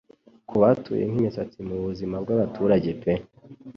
Kubatuye nkimisatsi mubuzima bwabaturage pe